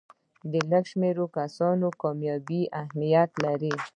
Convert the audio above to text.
د لږ شمېر کسانو کامیابي اهمیت لري.